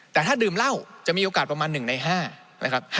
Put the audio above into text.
แต่ถ้าดื่มเหล้าจะมีโอกาสประมาณ๑ใน๕นะครับ